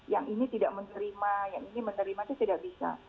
yang ini tidak menerima yang ini menerimanya tidak bisa